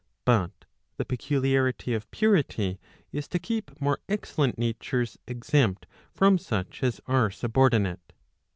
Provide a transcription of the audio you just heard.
But the peculiarity of purity is to keep more excellent natures exempt from such as are subordinate.